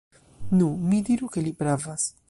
Nu, mi diru ke li pravas.